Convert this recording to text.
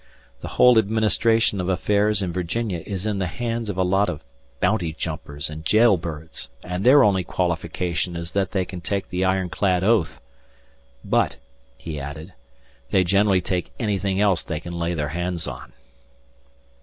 ... The whole administration of affairs in Virginia is in the hands of a lot of bounty jumpers and jailbirds, and their only qualification is that they can take the iron clad oath!" "But," he added, "they generally take anything else they can lay their hands on."